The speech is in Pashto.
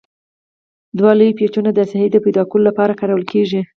دوه لوی پیچونه د ساحې د پیداکولو لپاره کارول کیږي.